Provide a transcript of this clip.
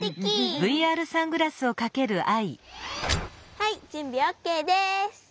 はいじゅんびオッケーです。